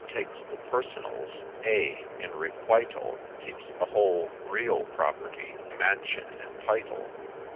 takes the personals ;— A., in requital, Keeps the whole real property, Mansion, and Title.